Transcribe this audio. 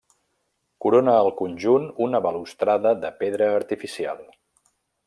Corona el conjunt una balustrada de pedra artificial.